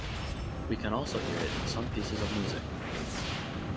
We can also hear it in some pieces of music.